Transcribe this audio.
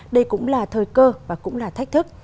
đây cũng là thời cơ và cũng là thách thức